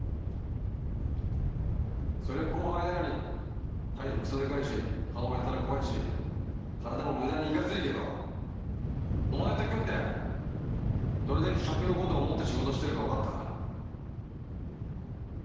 そりゃ後輩なのに態度クソでかいし顔もやたら怖いし体も無駄にイカついけどお前と組んでどれだけ客のことを思って仕事をしてるか分かった。